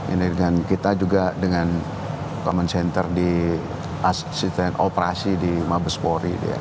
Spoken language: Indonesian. ini dengan kita juga dengan common center di asisten operasi di mabespori